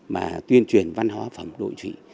mà tuyên truyền văn hóa phẩm đội trị